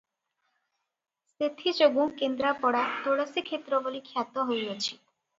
ସେଥିଯୋଗୁଁ କେନ୍ଦରାପଡ଼ା ତୁଳସୀକ୍ଷେତ୍ର ବୋଲି ଖ୍ୟାତ ହୋଇଅଛି ।